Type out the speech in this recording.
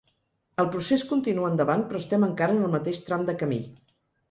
El procés continua endavant però estem encara en el mateix tram de camí.